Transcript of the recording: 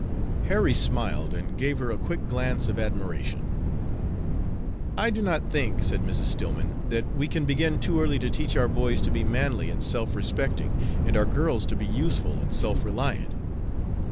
Harry smiled, and gave her a quick glance of admiration. "I do not think," said Mrs. Stillman, "that we can begin too early to teach our boys to be manly and self respecting, and our girls to be useful and self reliant."